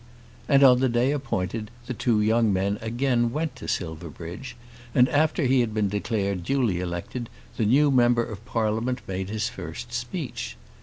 And on the day appointed the two young men again went to Silverbridge, and after he had been declared duly elected, the new Member of Parliament made his first speech.